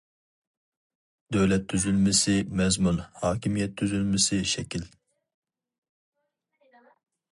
دۆلەت تۈزۈلمىسى مەزمۇن، ھاكىمىيەت تۈزۈلمىسى شەكىل.